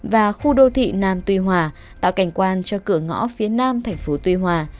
và khu đô thị nam tuy hòa tạo cảnh quan cho cửa ngõ phía nam tp tuy hòa